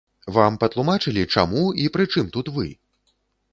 Вам патлумачылі, чаму, і прычым тут вы?